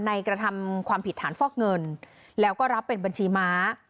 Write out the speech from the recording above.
กระทำความผิดฐานฟอกเงินแล้วก็รับเป็นบัญชีม้า